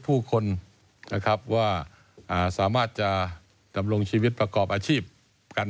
ผู้คนนะครับว่าสามารถจะดำรงชีวิตประกอบอาชีพกัน